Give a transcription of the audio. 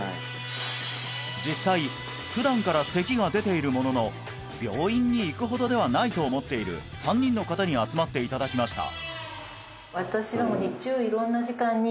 実際普段から咳が出ているものの病院に行くほどではないと思っている３人の方に集まっていただきました